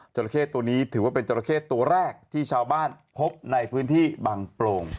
จราเข้ตัวนี้ถือว่าเป็นจราเข้ตัวแรกที่ชาวบ้านพบในพื้นที่บางโปร่ง